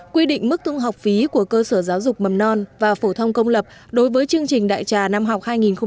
quy định mức thu học phí của cơ sở giáo dục mầm non và phổ thông công lập đối với chương trình đại trà năm học hai nghìn một mươi sáu hai nghìn một mươi bảy